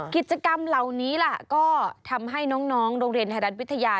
กิจกรรมเหล่านี้ล่ะก็ทำให้น้องโรงเรียนไทยรัฐวิทยา